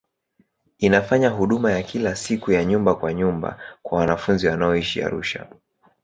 Inafanya huduma ya kila siku ya nyumba kwa nyumba kwa wanafunzi wanaoishi Arusha.